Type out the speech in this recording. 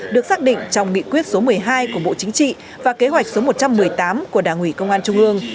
được xác định trong nghị quyết số một mươi hai của bộ chính trị và kế hoạch số một trăm một mươi tám của đảng ủy công an trung ương